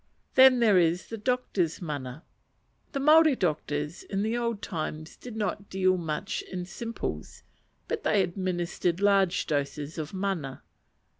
Then there is the doctors' mana. The Maori doctors in the old times did not deal much in "simples," but they administered large doses of mana.